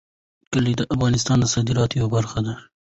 کلي د افغانستان د صادراتو یوه برخه ده.